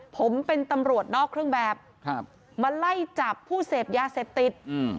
ผมเป็นตำรวจนอกเครื่องแบบครับมาไล่จับผู้เสพยาเสพติด